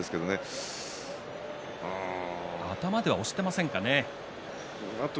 頭では押していませんかね。